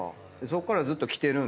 そっからずっと来てるんで。